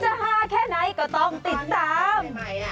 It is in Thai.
ห้าแค่ไหนก็ต้องติดตาม